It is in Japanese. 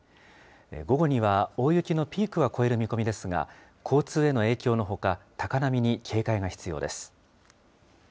午後には、大雪のピークは越える見込みですが、交通への影響のほか、高波に警戒が必要です。